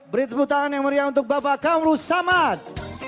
beri tepuk tangan yang meriah untuk bapak kaumrus samad